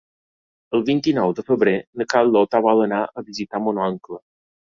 El vint-i-nou de febrer na Carlota vol anar a visitar mon oncle.